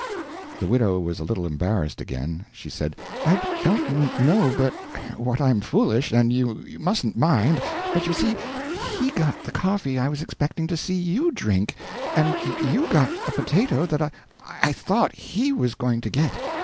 The widow was a little embarrassed again. She said: "I don't know but what I'm foolish, and you mustn't mind; but you see, he got the coffee I was expecting to see you drink, and you got a potato that I thought he was going to get.